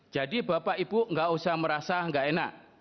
jadi bapak ibu gak usah merasa gak enak